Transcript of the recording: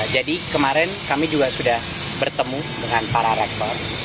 jadi kemarin kami juga sudah bertemu dengan para rektor